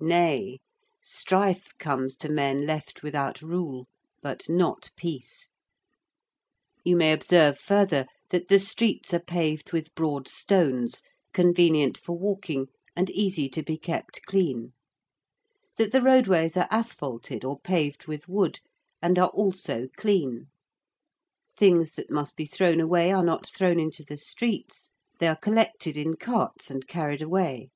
Nay: strife comes to men left without rule but not peace. You may observe further, that the streets are paved with broad stones convenient for walking and easy to be kept clean: that the roadways are asphalted or paved with wood, and are also clean: things that must be thrown away are not thrown into the streets: they are collected in carts and carried away.